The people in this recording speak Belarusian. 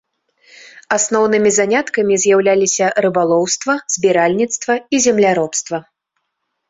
Асноўнымі заняткамі з'яўляліся рыбалоўства, збіральніцтва і земляробства.